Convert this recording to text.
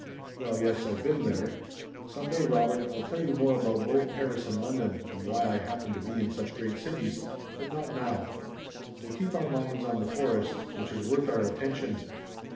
"Well, yes, I've been there. Some day, Robert, I'll tell you more about both Paris and London and why I happened to be in such great cities, but not now. We'll keep our minds on the forest, which is worth our attention.